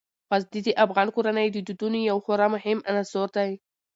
غزني د افغان کورنیو د دودونو یو خورا مهم عنصر دی.